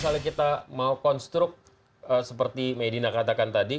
kalau kita mau konstruk seperti medina katakan tadi